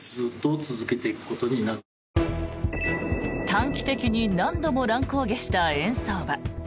短期的に何度も乱高下した円相場。